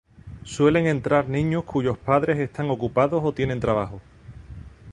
Suelen entrar niños cuyos padres están ocupados o tienen trabajo.